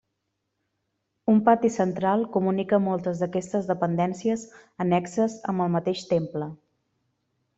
Un pati central comunica moltes d'aquestes dependències annexes amb el mateix temple.